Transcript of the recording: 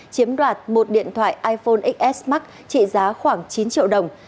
chiếm đoạt một điện thoại iphone xs max trị giá khoảng chín triệu đồng